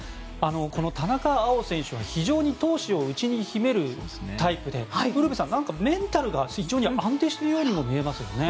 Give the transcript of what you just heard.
この田中碧選手は非常に闘志を内に秘めるタイプでウルヴェさん、メンタルが非常に安定しているようにも見えますよね。